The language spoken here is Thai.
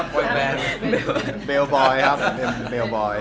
คอนเซ็ปอะไรครับ